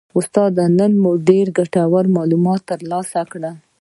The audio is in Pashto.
استاده نن مو ډیر ګټور معلومات ترلاسه کړل